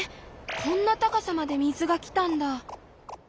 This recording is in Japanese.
こんな高さまで水がきたんだ。